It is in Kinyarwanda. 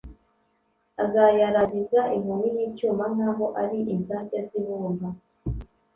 azayaragiza inkoni y’icyuma nk’aho ari inzabya z’ibumba,